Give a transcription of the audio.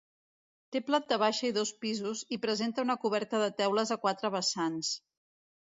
Té planta baixa i dos pisos, i presenta una coberta de teules a quatre vessants.